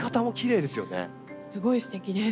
すごいすてきです。